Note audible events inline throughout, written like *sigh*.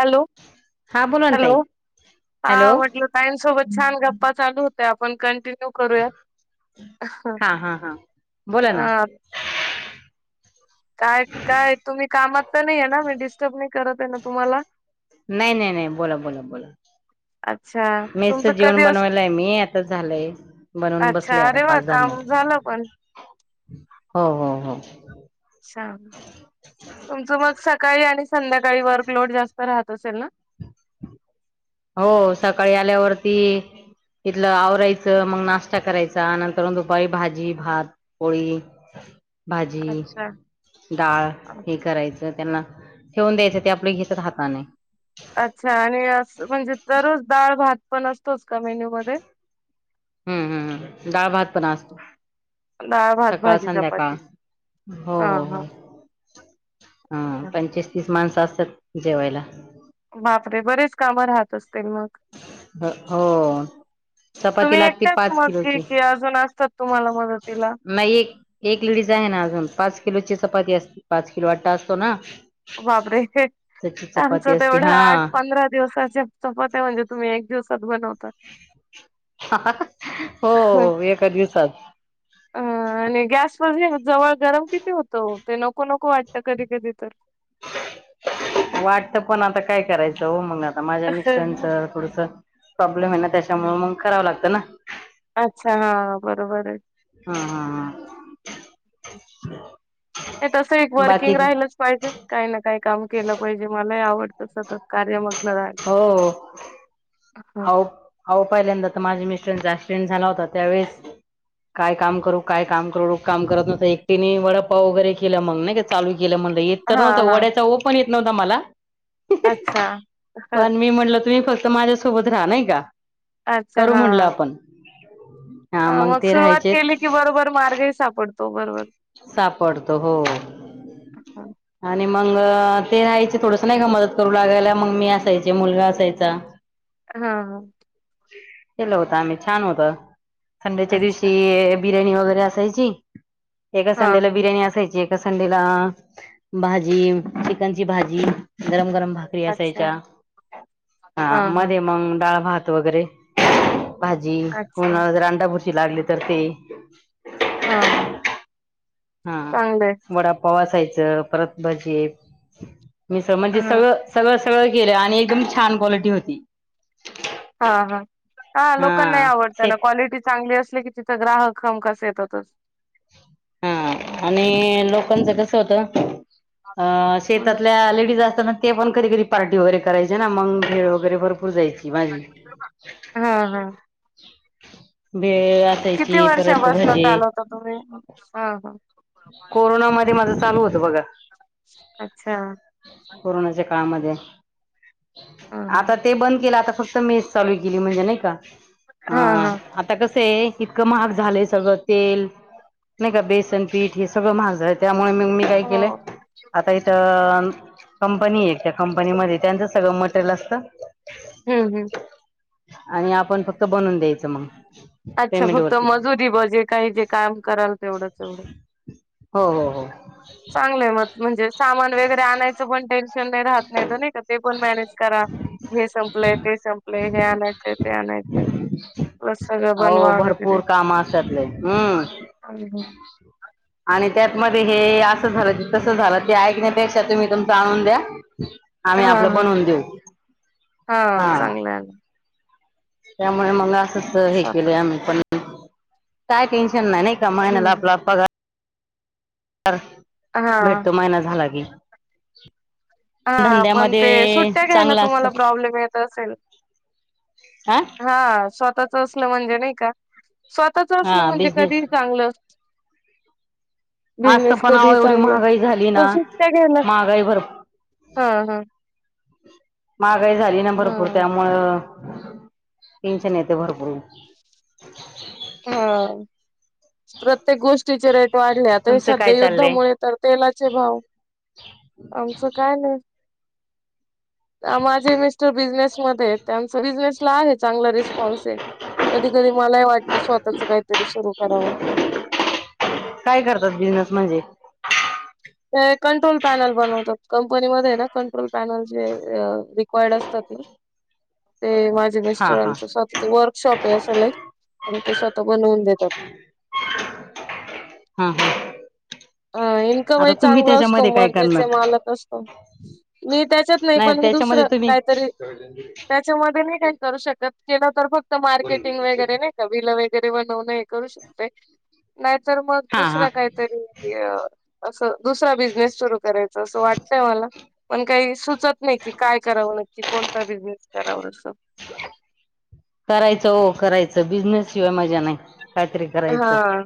Hello हा बोला ना ताई हॅलो हा हॅलो म्हटलं ताईसोबत छान गप्पा चालू होत्या आपण कंटि न्यू करूया हा हा हा बोला ना हा काय काय तुम्ही कामात तर नाही आहे ना मी डिस्टर्ब नाही करत आहे ना तुम्हाला? नाही नाही नाही बोला बोला बोला अच्छा तुमच मेसच कधी जेवण अस बनवायलाय मी आता झालंय बनवून अच्छा बसले आता अरे वा पाच दहा काम मिनिट झालं पण हल हो हो हो अच्छा तुमचं मग स काळी आणि संध्याकाळी वर्कलोड जास्त राहत असेल ना? हो सकाळी आल्यावरती तिथलं आवरायचं मग नाश्ता करायचा नंतर दुपारी भाजी भात पोळी भाजी अच्छा डाळ हे करायचं त्यांना ठेवून द्यायचं ते आपल्या घेतात हाताने अच्छा म्हणजे दररोज डाळ भात पण असतोच का मेन्यू मध्ये हम्म हम्म डाळ भात पण असतो डाळ भात सकाळ भाजी संध्याकाळ चपाती हो हा हो हा हो ह पंचवीस तीस माणसं असतात जेवायला. बापरे बरेच काम राहत अस अ हो चपाती तुम्ही लागते एकट्याच पाच मग की किलोची की अजून असतात तुम्हाला मदतीला नाही एक एक लेडीज आहे ना अजून पाच किलोची चपाती अस पाच किलो आटा असतो ना बापरे त्याची चपाती आमचं असते तेवढं हा आठ पंधरा दिवसाचे चपत आहे म्हणजे तुम्ही एक दिवसात बनवता हो हं. एका दिवसात अ आणि गॅसवर जवळ गरम किती होतं ते नको नको वाटत कधी कधी तर वाटत पण आता काय करायचं हो मग आ माझ्या मिस्टरांच थोडस प्रॉब्लेम आहे ना त्याच्यामुळे मग करावं लागतं ना अच्छा हा बरोबर आहे हा हा हा हे तस एक बाकी वर्किंग राहिलंच पाहिजे काही ना काही काम केलं पाहिजे मला आवडत सतत कार्य मग्न राहिला ह आहो पहिल्यांदा तर माझ्या मिस्टरचा क्सिडेंट झाला होता त्यावेळेस काय काम करू काय काम करू रुख काम करत नस एकटीने वडप्पा वगैरे केलं मग ना चालू गेलं म्हणलंेत तर हा नव्हं हा वड्याचा पण य नव्हता मला अच्छा. पण मी म्हटल तुम्ही फक्त माझ्यासोबत राहणार का अच्छा करू हा म्हटलं आपण हा अ मग ते सुरुवात राहायचे केली की बरोबर मार्गही सापडतो बरोबर सापडतो हो हं. आणि मग ते राहायचे थोडस नाही का मदत करू लागायला मग मी असायचे मुलगा असायचा हा ह केलं होत आम्ही छान होत थंडेच्या अच्छा. दिवशी बिर्याणी वगैरे असायची एका हां, संडेला हां. बिर्याणी असायची संडीला भाजी चिकनची भाजी गरम गरम भाकरी अच्छा. असायच्या हा हां, हां. मध्ये मग डाळ भात वगैरे भाजी कोण अच्छा. रांडा बुरशी लागली तर ते हां, हां. हा चांगलं आहे. वडापावासायचं परत भजी मी स म्हणजे हां. सगळं सगळं सगळं केलं आणि एकदम छान क्वालिटी होती हा हा हा लोकांना आवडतना क्वालिटी चांगली अस की तिथं ग्राहक हम कस येतात हा आणि लोकांचं कस होतं अ हं. शेतातल्या लेडीज असताना ते पण कधी कधरी पार्टी वगैरे करायची ना मंगेर वगैरे भरपूर जायची माझी हां, हां. भेळ किती असायची परत वर्षापासन भजे चालवता तुम्ही ह ह *unintelligible* कोरोनामध्ये माझं चालू होत बघा अच्छा. कोरोनाच्या काळामध्ये हां, हां. आता ते बंद केलं आता फक्त मेस चालू केली म्हणजे नाही का हा हां, हां. आता कस इतकं महाग झालं सगळं तेल नाही का बेसन पीठ हे सगळं महाग झालं त्या मु मग मी काय केले हो. आता इथ कंपनी आहे त्या कंपनीमध्ये त्यांचं सगळं मटेरियल असत हं, हं. आणि आपण फक्त बनून द्यायचं मग अच्छा पेमेंट फक्त वरती मजुरी बजे काही जे काम कराल तेवढंच एवढं हो हो हो चांगलय म म्हणजे सामान वगैरे आणायचं पण ते नाही राहत नाही नाही का ते पण मॅनेज करा हे संपलंय ते संपलंय हे आणायचंय ते आणायचंय बस हो भरपूर कामतले हम्म आणि त्यात म हे असं झालं क कसं झालं ते ऐकण्यापेक्षा तुम्ही तुमच आणून द्या आम्ही हा आपलं हा बनवून देऊ हा चांगलं आलं त्यामुळे मग असंच हे सात केलं आम्ही पण काय टेन्शन नाही ना म नाला हम्म आपला प हा. भेटतो मयना झाला की हा पण ते धंद्यामध्ये सुट्ट्या घ्यायला चांगला तुम्हाला असत प्रॉब्लेम येत असेल हा हा स्वतः असलं म्हणजे नाही का स्वतःच असलं हा म्हणजे बिझनेस कधी चांगलं बिझनेस आजताप कधी नाव एवढी चांगला महागाई झाली ना पण सुट्ट्या घ्यायला महागाई भर हा हा महागाई झाली ना भरपूर हा त्यामुळं तीनच्या नेते भरपूर हा प्रत्येक गोष्ट तीचे रेट वाढलेता हे तुमचं सध्या काय चाललंय युद्धामुळे तर तेलाचे भाव आमचं काय नाही माझे मिस्टर बिझनेस मध्ये त्यांच बिझनेस ला आहे चांगला रिस्पॉन्स आहे घरी मलाही वाटतं स्वतःच काहीतरी सुरू करावं काय करतात बिझनेस म्हणजे ते कंट्रोल पॅनल बनवतात कंपनीमध्ये ना कंट्रोल पॅनल जे रिक्वायर्ड असतात ते ते माझे हा हा मीस्टरांच स्वतः वर्कशॉप असल आणि ते स्वतः बनवून देतात हम् हम् हा इन्कम ह चांगला असतो काय मर्जेचे करणार मालक असतो मी त्याच्यात नाही पण मी त्याच्यामध्ये दुसरं तुम्ही काहीतरी त्याच्यामध्ये नाही काही करू शकत केलं तर फक्त मार्केटिंग वगैरे नाही का विलं वगैरे बनवण हे करू शकते नाही तर मग हा हा दुसरा काहीतरी अ, असं दुसरा बिझनेस सुरू करायचा असं वाटतय मला पण काही सुचत नाही कि काय करावं नक्की कोणता बिझनेस कराव अस करायचं हो करायचं बिझनेस शिवाय मज्जा नाही काहीतरी करायचं हा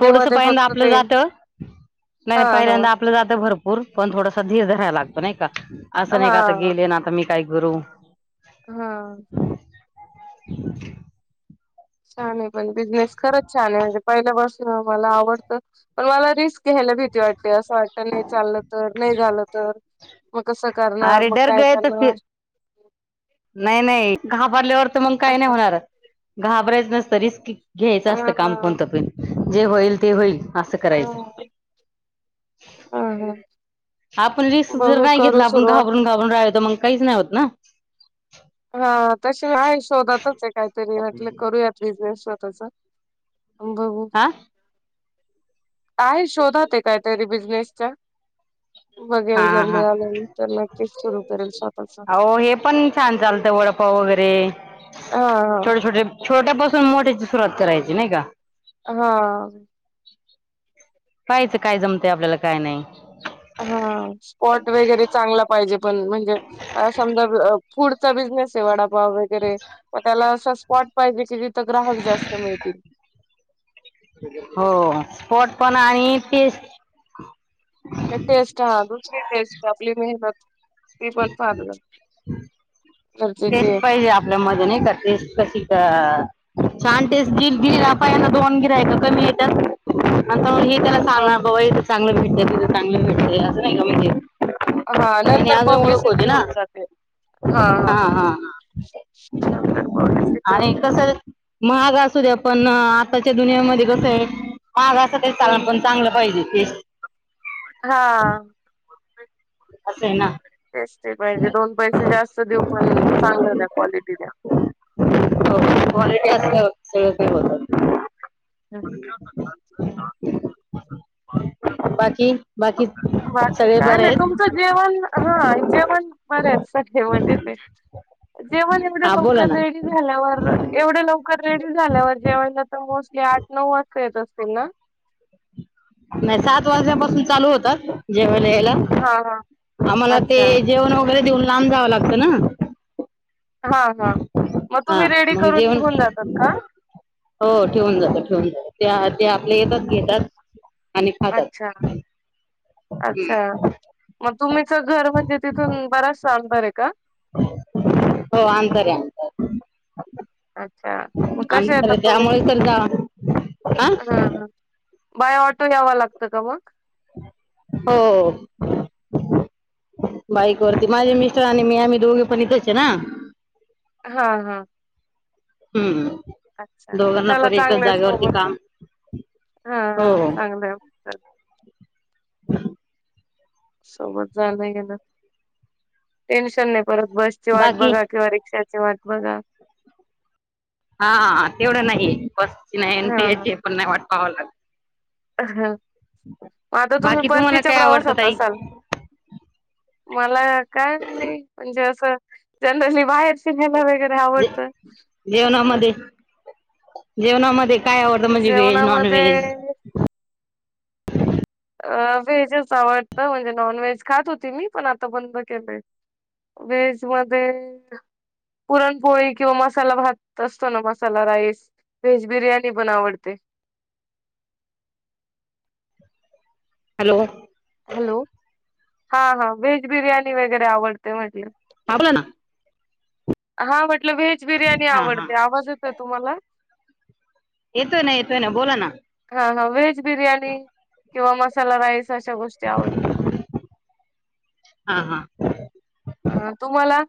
थोडस पयंदा फक्त आपलं ते जात नाही नाही हा हा पहिल्यांदा आपलं जातं भरपूर पण थोडासा धीर राय लागत नाही का असं नाही का आता हा. गेले ना आता मी काय कररू हा छान आहे पण बिझनेस खरच छान आहे म्हणजे पहिल्या वर्ष मला आवडतं पण मला रिस्क घिहायला भीती वाटते असं वाटत नाही चाललं तर नाही झालं तर मग कसं करणार अरे मग डर काय गये तर करणार फिर नाही नाही घाबरल्यावर तर मग काही नाही होणार घाबरायच नसतं रिस्की घ्यायचं असतं काम हा कोणतं पण जे होईल ते होईल असं हा करायचं आपण रिस्क जर बघू नाही करू घेतला आपण सुरुवात घाबरून घाबरून राहित मग काहीच नाही होत ना हा त आहे शोधातच आहे काहीतरी म्हटलं करूयात बिझनेस बघू हा आहे शोधात आहे कायतरी बिझनेसच्या बघेल हा गरम हा आल्यानंतर नक्कीच सुरू करेल स्वतःच वडपाव वगैरे हा ह - छोट्यापसून मोठ्याची सुरुवात करायची नाही का? हा पाहिचं काय जमतेय आपल्याला काय नाही? हा स्पॉट वगैरे चांगला पाहिजे पण म्हणजे समजा फूडचा बिझनेस आहे वडापाव वगैरे मग त्याला अस स्पॉट पाहिजे की तिथं ग्राहक जास्त मिळतील. हो स्पोट पण आणि पी टेस्ट हा दुसरी टेस्ट आपली मेहनत. ते पण फलं टेस्ट पाहिजे आपल्या म नाही का टेस्ट कशी छान तेच जि गिर पाया दोन गिराहिक आहे का कमी येत्यात त्यांना सां अ, बाबा इथं चांगलं भेटतं तिथं चांगलं भेटतय असं नाही का म्हणजे हा त्याने नंतर अजून ओळख होते पब्लिसिटी ना होत जाते ह हा हा हा पब्लिसिटी आणि होते. कस महाग असू द्या पण आताच्या दुनियामध्ये कस ये महाग असण तरी चालण हम्म पण चांगलं पाहिजे टेस्ट. हा असं आहे ना. बेस् पाहिजे दोन पैसे जास्त देऊ पण चांगलं द्या क्वालिटी द्या हो क्वालिटी असल्याव सगळं काही होत. *unintelligible* बाकी बाकी बाकी सगळे काय बरे नाही आहेत तुमचं जेवण? हा जेवण बरे येत सगळे मजेत ये. जेवण एवढं हा बोला लवकर ना रेडी झाल्यावर एवढ, लवकर रेडी झाल्यावर जेवण आ मोस् हे आठ नऊ वाजता येत असतील ना? नाही सात वाज्यापासून चालू होतात. जेवण याला हा हा आम्हाला ते अच्छा जेवण वगैरे देऊन. लांब जावं लागत ना हा हा मग हा तुम्ही रेडी म्हग करून जेवण निघून जातात का? हो ठेवून जात ठेवून जात ते ते आपल्या येतात घेतात. आणि खातात. अच्छा अच्छा मग तुम्हीच घर म्हणजे तिथून बराच अंतर का? हो अंतर आहे अंतर अच्छा मग कसे अंतर येतात आहे तुम्ही? त्यामुळे तर जा हा हम ह बाय ऑटो यावा लागतं का मग हो. बाईक वरती माझे अच्छा मिस्टर आणि मी आम्ही दोघे पण इथच आहे ना. हा हा हम्म अच्छा दोघांना चला पण एकाच चांगलंच जागेवरती सोबत आहे. काम हा हो हा हो चांगलं आहे. *inaudible* सोबत जाण गेलं टेन्शन नाही. परत बसची वाट बाकी बघा किंवा रिक्षाची वाट बघा. हा तेवढं नाही बस् नाही याची पण नाही वाट पाहावं लागत. ह मग आता तुम्ही बाकी तुम्हाला परतीच्या काय आवडतं प्रवासात ताई असाल मला काय नाही म्हणजे असं जनरली बाहेर वगैरे जे आवडत. जेवणामध्ये जेवणामध्ये काय आवडतं म्हणजे व्हेज नॉन जेवणामध्ये व्हेज अ व्हेजच आवडत म्हणजे नॉन व्हेज खात होती मी पण आता बंद केलंय. वेज मध्ये पुरणपोळी किंवा मसाला भात असतो ना मसाला राईस. व्हेज बिर्याणी पण आवडते. हॅलो. हॅलो हा हा व्हेज बिर्याणी वगैरे आवडते म्हटल. पावलं ना. हा म्हटलं व्हेज बिर्याणी हा हा आवडते आवाज येतोय तुम्हाला येतोय ना येतोय ना बोला ना. हा हा व्हेज बिर्याणी किंवा मसाला राईस. अशा गोष्टी आवडतात. हा हा अं तुम्हाला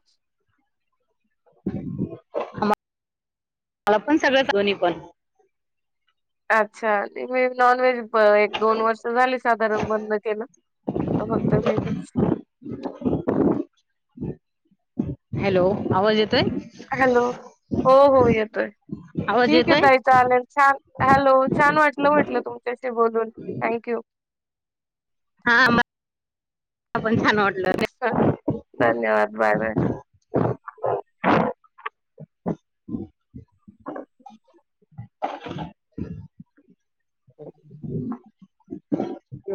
मला पण सगळ दोन्ही पण अच्छा आणि मी नॉन व्हेज एक दोन वर्ष झाली साधारण बंद केलं. फक्त व्हेजच हॅलो आवाज येतो. हॅलो हो-हो येतोय. आवाज ठीक आहे येतोय ताई चालेल छान हॅलो छान वाटलं म्हटलं तुमच्याशी बोलून थँक यू. हा मला पण छान वाटलं असतात, धन्यवाद बाय बाय. *unintelligible*